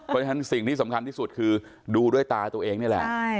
เพราะฉะนั้นสิ่งที่สำคัญที่สุดคือดูด้วยตาตัวเองนี่แหละ